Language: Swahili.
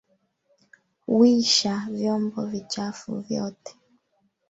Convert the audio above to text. Wisha vyombo vichafu vyote.